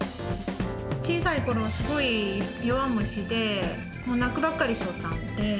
小さいころ、すごい弱虫で、もう泣くばっかりしとったんで。